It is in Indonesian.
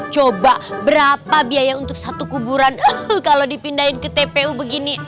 coba berapa biaya untuk satu kuburan kalau dipindahin ke tpu begini